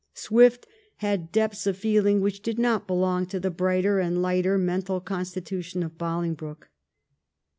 Swift had depths of feeling which did not belong to the brighter and lighter mental constitution of Bolingbroke.